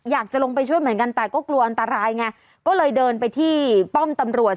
อยากจะลงไปช่วยเหมือนกันแต่ก็กลัวอันตรายไงก็เลยเดินไปที่ป้อมตำรวจ